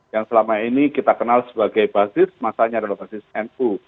yang selama ini kita kenal sebagai basis masanya adalah basis nu